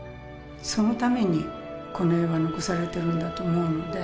そのためにこの絵は残されているのだと思うので。